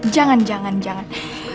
jangan jangan jangan